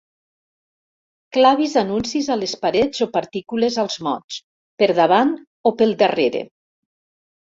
Clavis anuncis a les parets o partícules als mots, per davant o pel darrere.